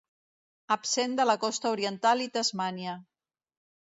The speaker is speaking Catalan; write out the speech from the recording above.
Absent de la costa oriental i Tasmània.